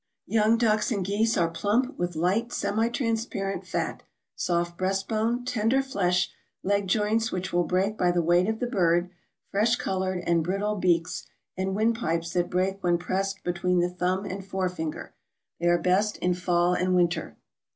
Young ducks and geese are plump, with light, semi transparent fat, soft breast bone, tender flesh, leg joints which will break by the weight of the bird, fresh colored and brittle beaks, and windpipes that break when pressed between the thumb and fore finger. They are best in fall and winter.